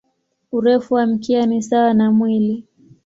Urefu wa mkia ni sawa na mwili.